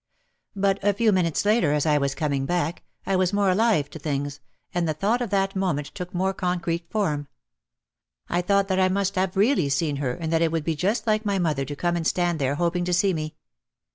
But a few minutes later, as I was coming back, I was more alive to things, and the thought of that moment took more concrete form. I thought that I must have really seen her and that it would be just like my mother to come and stand there hoping to see me.